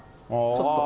ちょっと。